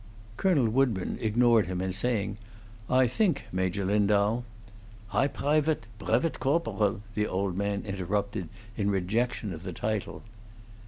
Colonel Woodburn ignored him in saying, "I think, Major Lindau " "High brifate; prefet gorporal," the old man interrupted, in rejection of the title.